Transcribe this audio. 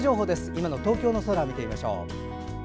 今の東京の空見てみましょう。